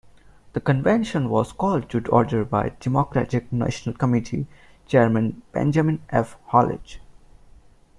The convention was called to order by Democratic National Committee chairman Benjamin F. Hallett.